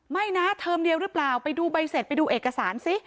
ไม่นะเทอมเดียวหรือเปล่าไปดูใบเสร็จไปดูเอกสารสิ